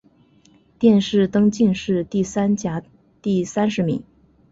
殿试登进士第三甲第三十名。